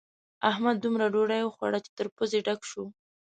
احمد دومره ډوډۍ وخوړه چې تر پزې ډک شو.